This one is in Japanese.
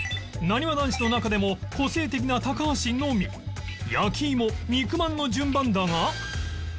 なにわ男子の中でも個性的な高橋のみ焼き芋肉まんの順番だが